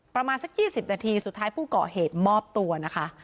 ประมาณสัก๒๐นาทีสุดท้ายผู้ก่อเหตุมอบตัวนะคะ